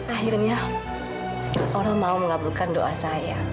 akhirnya orang mau mengabulkan doa saya